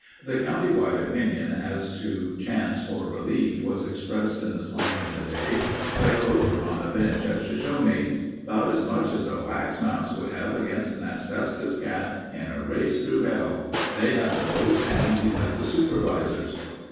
The county wide opinion as to chance for relief was expressed in the slang of the day by a loafer on the bench at Shoshone: "About as much as a wax mouse would have against an asbestos cat in a race through hell. They have the votes and elect the supervisors."